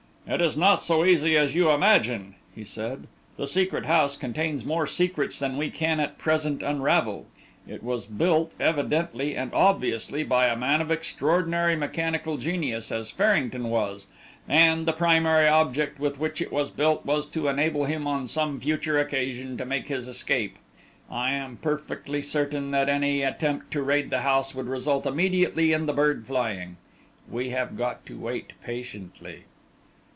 "It is not so easy as you imagine," he said. "The Secret House contains more secrets than we can at present unravel. It was built, evidently and obviously, by a man of extraordinary mechanical genius as Farrington was, and the primary object with which it was built was to enable him on some future occasion to make his escape. I am perfectly certain that any attempt to raid the house would result immediately in the bird flying. We have got to wait patiently."